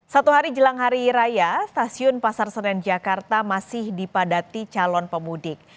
satu hari jelang hari raya stasiun pasar senen jakarta masih dipadati calon pemudik